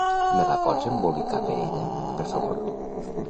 Me la pots embolicar per ella, per favor?